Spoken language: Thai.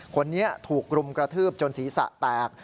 คนนี้ถูกรุมกระทืบจนศีรษะแตก